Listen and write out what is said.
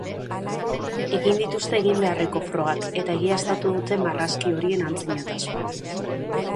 Egin dituzte egin beharreko frogak eta egiaztatu dute marrazki horien antzinatasuna.